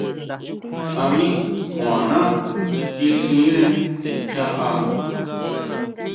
A mí kʼuaná kixire kjiaʼá.